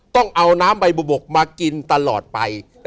ต้องเอาน้ำใบบุบกมากินตลอดไป